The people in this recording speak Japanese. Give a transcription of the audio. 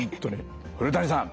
古谷さん